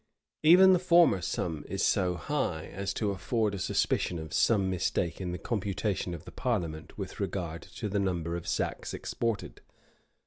Even the former sum is so high, as to afford a suspicion of some mistake in the computation of the parliament with regard to the number of sacks exported.